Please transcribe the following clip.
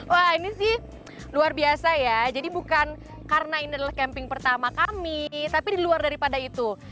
wah ini sih luar biasa ya jadi bukan karena ini adalah camping pertama kami tapi di luar daripada itu